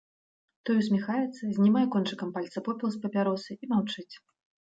Той усміхаецца, знімае кончыкам пальца попел з папяросы і маўчыць.